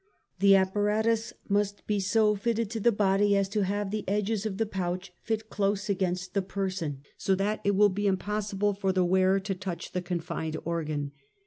" The apparatus must be so fitted to the body as to have the edges of the pouch fit close against the per son, so that it will be impossible for the wearer to touch the confined organ.